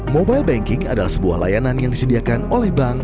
mobile banking adalah sebuah layanan yang disediakan oleh bank